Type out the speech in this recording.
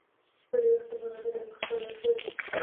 په دې وخت کې زما نظر یو مخ بدل شوی و.